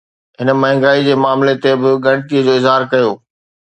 هن مهانگائي جي معاملي تي به ڳڻتي جو اظهار ڪيو